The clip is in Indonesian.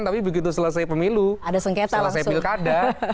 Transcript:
tapi begitu selesai pemilu selesai pilkada